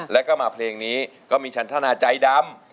แล้วก็มาเพลงนี้ก็มีชันทนาใจดำ